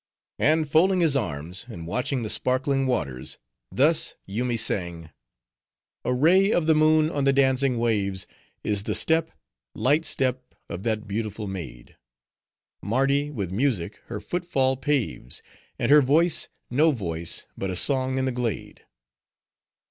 And folding his arms, and watching the sparkling waters, thus Yoomy sang:— A ray of the moon on the dancing waves Is the step, light step of that beautiful maid: Mardi, with music, her footfall paves, And her voice, no voice, but a song in the glade.